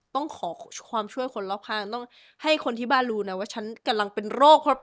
ต้องขอความช่วยคนรอบข้างต้องให้คนที่บ้านรู้นะว่าฉันกำลังเป็นโรค